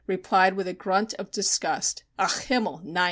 replied, with a grunt of disgust: "Ach Himmel, nein!"